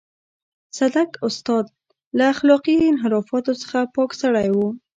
صدک استاد له اخلاقي انحرافاتو څخه پاک سړی و.